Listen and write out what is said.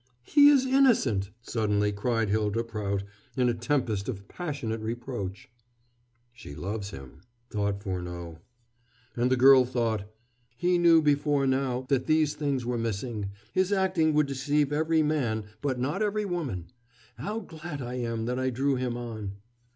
"He is innocent!" suddenly cried Hylda Prout, in a tempest of passionate reproach. "She loves him," thought Furneaux. And the girl thought: "He knew before now that these things were missing. His acting would deceive every man, but not every woman. How glad I am that I drew him on!"